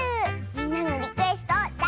みんなのリクエストをだ